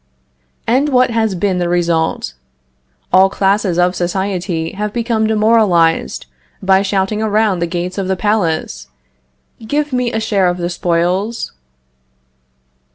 And what has been the result? All classes of society have become demoralized by shouting around the gates of the palace: "Give me a share of the spoils."